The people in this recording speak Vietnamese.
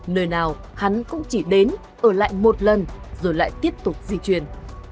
nơi nào hắn cũng chỉ đến ở lại một lần rồi lại tiếp tục di chuyển